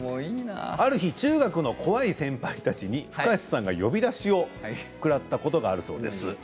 ある日、中学の怖い先輩たちにＦｕｋａｓｅさんが呼び出しを食らったことがあるそうです。